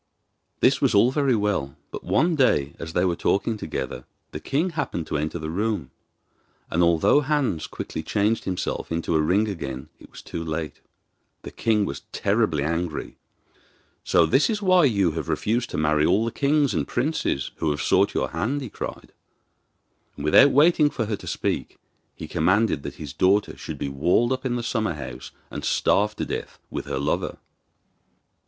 This was all very well; but, one day, as they were talking together, the king happened to enter the room, and although Hans quickly changed himself into a ring again it was too late. The king was terribly angry. 'So this is why you have refused to marry all the kings and princes who have sought your hand?' he cried. And, without waiting for her to speak, he commanded that his daughter should be walled up in the summer house and starved to death with her lover.